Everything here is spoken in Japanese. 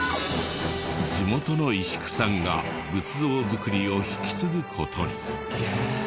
地元の石工さんが仏像造りを引き継ぐ事に。